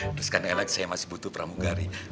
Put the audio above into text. terus karena saya masih butuh pramugari